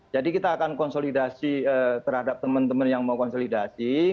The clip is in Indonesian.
jadi kita akan konsolidasi terhadap teman teman yang mau konsolidasi